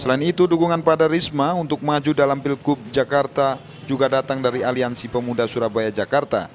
selain itu dukungan pada risma untuk maju dalam pilkup jakarta juga datang dari aliansi pemuda surabaya jakarta